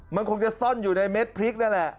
มันคงจะซ่อนอยู่ในเม็ดพริกนั่นแหละ